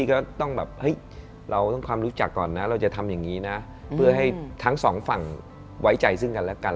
ก็ต้องแบบเฮ้ยเราต้องความรู้จักก่อนนะเราจะทำอย่างนี้นะเพื่อให้ทั้งสองฝั่งไว้ใจซึ่งกันและกัน